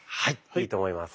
いいと思います。